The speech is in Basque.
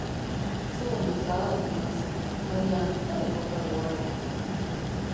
Zu baino zaharragoa naiz..., baina zer inporta du horrek?